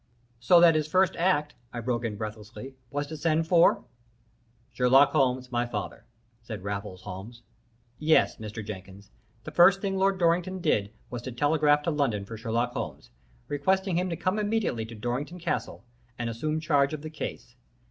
"So that his first act," I broke in, breathlessly, "was to send for " "Sherlock Holmes, my father," said Raffles Holmes. "Yes, Mr. Jenkins, the first thing Lord Dorrington did was to telegraph to London for Sherlock Holmes, requesting him to come immediately to Dorrington Castle and assume charge of the case.